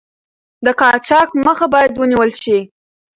د قاچاق مخه باید ونیول شي.